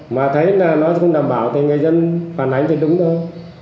mà thấy là nó không đảm bảo thì người dân phản ánh thì đúng thôi